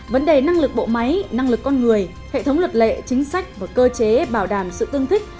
vấn đề năng lực bộ máy năng lực con người hệ thống luật lệ chính sách và cơ chế bảo đảm sự tương thích